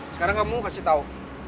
sekarang kamu kasih tahu